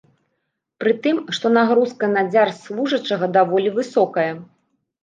Пры тым, што нагрузка на дзяржслужачага даволі высокая.